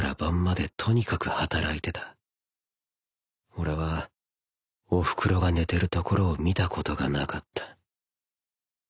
俺はおふくろが寝てるところを見たことがなかった